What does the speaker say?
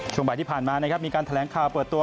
ช่วงบ่ายที่ผ่านมานะครับมีการแถลงข่าวเปิดตัว